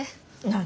何？